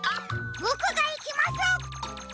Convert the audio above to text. ぼくがいきます。